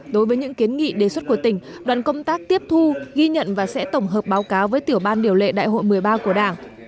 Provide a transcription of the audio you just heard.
đối với những kiến nghị đề xuất của tỉnh đoàn công tác tiếp thu ghi nhận và sẽ tổng hợp báo cáo với tiểu ban điều lệ đại hội một mươi ba của đảng